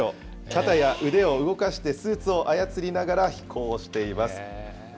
肩や腕を動かしてスーツを操りながら飛行しています。